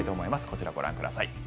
こちら、ご覧ください。